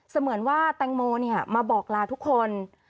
เหมือนว่าแตงโมมาบอกลาทุกคน